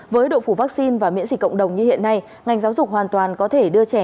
với độ phủ vaccine và miễn dịch cộng đồng như hiện nay ngành giáo dục hoàn toàn có thể đưa trẻ